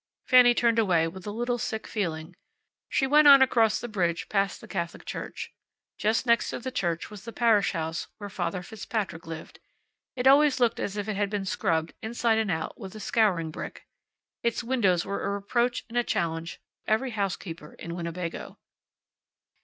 Fanny turned away with a little sick feeling. She went on across the bridge past the Catholic church. Just next the church was the parish house where Father Fitzpatrick lived. It always looked as if it had been scrubbed, inside and out, with a scouring brick. Its windows were a reproach and a challenge to every housekeeper in Winnebago.